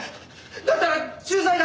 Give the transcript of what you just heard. だったら駐在だ。